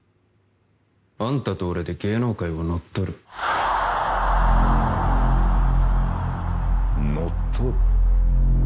あんたと俺で芸能界を乗っ取る乗っ取る？